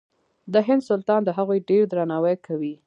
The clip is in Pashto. د هند سلطان د هغوی ډېر درناوی کوي.